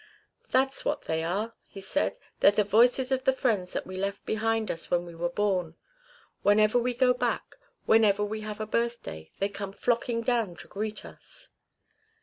"That's what they are," he said. "They're the voices of the friends that we left behind us when we were born. Whenever we go back, and whenever we have a birthday, they come flocking down to greet us."